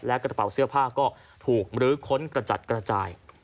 และกระเป๋าเสื้อผ้าก็ถูกมรื้อค้นกระจัดกระจาย